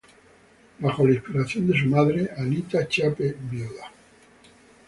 Bajo la inspiración de su madre, Anita Chiappe Vda.